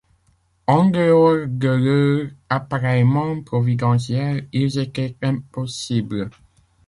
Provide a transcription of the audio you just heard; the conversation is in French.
En dehors de leur appareillement providentiel, ils étaient impossibles.